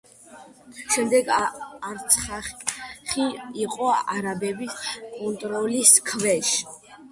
შემდეგ, არცახი იყო არაბების კონტროლის ქვეშ.